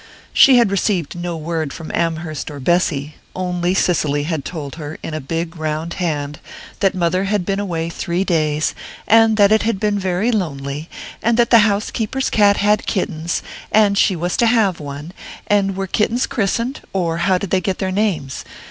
She had received no word from Amherst or Bessy; only Cicely had told her, in a big round hand, that mother had been away three days, and that it had been very lonely, and that the housekeeper's cat had kittens, and she was to have one; and were kittens christened, or how did they get their names?